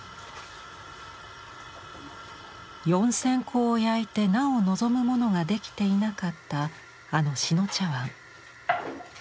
４，０００個を焼いてなお望むものができていなかったあの志野茶碗。